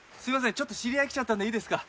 ちょっと知り合い来ちゃったんでいいですか？